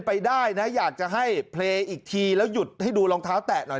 ไปได้นะอยากจะให้เพลย์อีกทีแล้วหยุดให้ดูรองเท้าแตะหน่อย